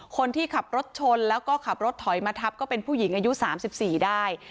คนที่ขับรถชนแล้วก็ขับรถถอยมาทับก็เป็นผู้หญิงอายุ๓๔ได้